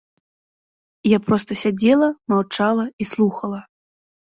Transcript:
Я проста сядзела, маўчала і слухала.